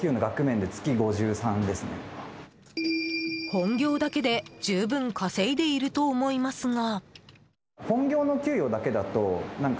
本業だけで十分稼いでいると思いますが。